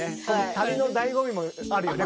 旅の醍醐味もあるよね